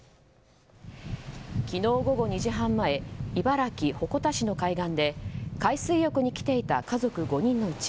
昨日午後２時半前茨城・鉾田市の海岸で海水浴に来ていた家族５人のうち